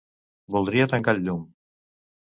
Voldria tancar el llum.